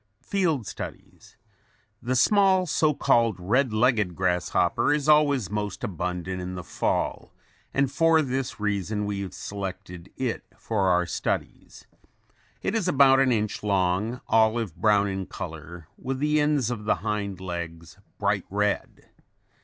FIELD STUDIES The small so called red legged grasshopper is always most abundant in the fall and for this reason we have selected it for our studies. It is about an inch long, olive brown in color with the ends of the hind legs bright red.